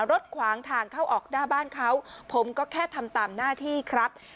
ขวางทางเข้าออกหน้าบ้านเขาผมก็แค่ทำตามหน้าที่ครับ